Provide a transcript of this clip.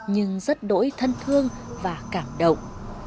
nhưng rất đỗi thân thương và cảm động